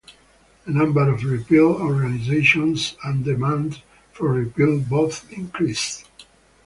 The number of repeal organizations and demand for repeal both increased.